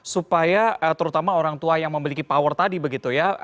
supaya terutama orang tua yang memiliki power tadi begitu ya